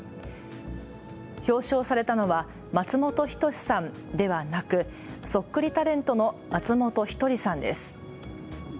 表彰されたのは松本人志さんではなくそっくりタレントの松本一人さんです。